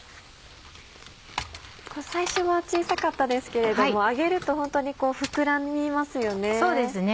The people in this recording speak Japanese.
最初は小さかったですけれども揚げるとホントに膨らみますよね。